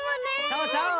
そうそう！